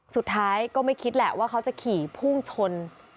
สุดท้ายก็ไม่คิดแหละว่าเขาจะขี่พุ่งชน